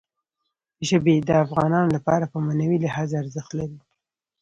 ژبې د افغانانو لپاره په معنوي لحاظ ارزښت لري.